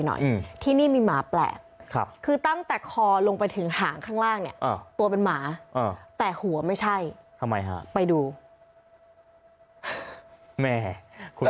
และจะพาคุณผู้ชมทัศไนไปที่ราชบุรี